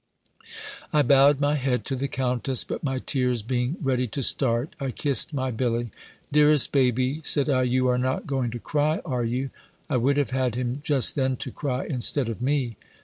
I bowed my head to the Countess; but my tears being ready to start, I kissed my Billy: "Dearest baby," said I, "you are not going to cry, are you?" I would have had him just then to cry, instead of me.